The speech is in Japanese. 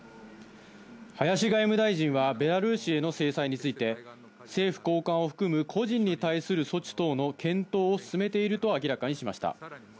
林外務大臣は、ベラルーシへの制裁について、政府高官を含む個人に対する措置等の検討を進めていると明らかにしました。